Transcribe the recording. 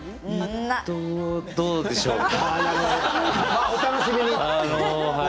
どうでしょうか。